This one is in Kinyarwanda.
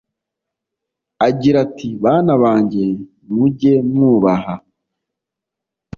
agira ati:” Bana bange, muge mwubaha